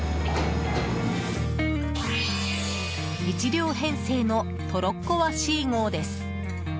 １両編成の「トロッコわっしー号」です。